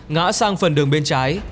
ngã sang phần đường bên trái